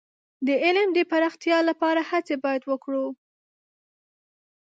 د علم د پراختیا لپاره هڅې باید وکړو.